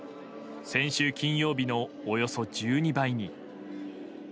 先週金曜日のおよそ１２倍に。